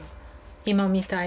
今みたい